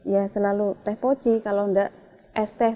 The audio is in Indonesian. ya selalu teh poci kalau enggak es teh